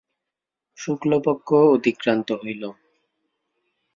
শুক্ল পক্ষ অতিক্রান্ত হইল।